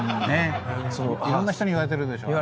いろんな人に言われてるでしょ。